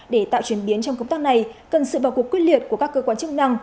để tạo chuyển biến trong công tác này cần sự vào cuộc quyết liệt của các cơ quan chức năng